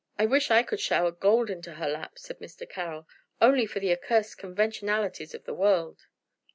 "I wish I could shower gold into her lap," said Mr. Carroll, "only for the accursed conventionalities of the world."